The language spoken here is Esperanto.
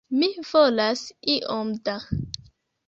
Mi volas iom da!